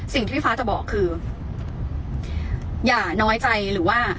สิ่งที่พี่ฟ้าจะบอกคืออย่าน้อยใจหรือว่า